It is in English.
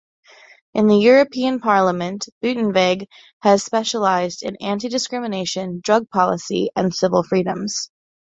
In the European Parliament, Buitenweg has specialised in anti-discrimination, drug policy and civil freedoms.